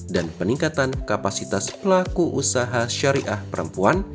dan peningkatan kapasitas pelaku usaha syariah perempuan